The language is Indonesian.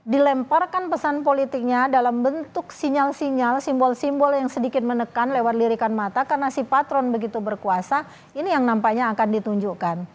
dilemparkan pesan politiknya dalam bentuk sinyal sinyal simbol simbol yang sedikit menekan lewat lirikan mata karena si patron begitu berkuasa ini yang nampaknya akan ditunjukkan